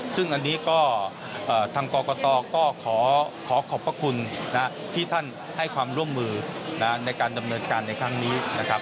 ซึ่งอันนี้ก็ทางกรกตก็ขอขอบพระคุณที่ท่านให้ความร่วมมือในการดำเนินการในครั้งนี้นะครับ